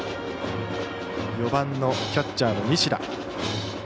４番のキャッチャーの西田。